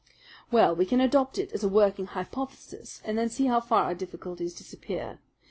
"Well, we can adopt it as a working hypothesis and then see how far our difficulties disappear.